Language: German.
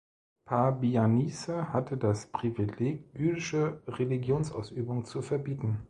Pabianice hatte das Privileg, jüdische Religionsausübung zu verbieten.